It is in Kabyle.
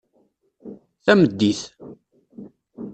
Tameddit